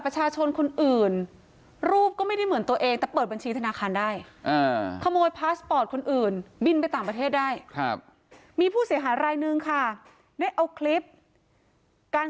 ชื่อซันเอ่อเดี๋ยวลองดูนะคะ